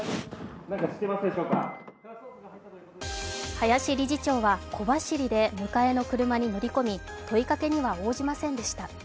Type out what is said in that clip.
林理事長は小走りで迎えの車に乗り込み問いかけには応じませんでした。